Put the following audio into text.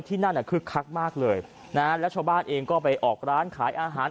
นั่นอ่ะคึกคักมากเลยนะฮะแล้วชาวบ้านเองก็ไปออกร้านขายอาหาร